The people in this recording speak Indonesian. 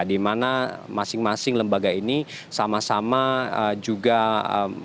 di mana masing masing lembaga ini sama sama juga berupaya untuk menghilangkan sifat edik atau maruk begitu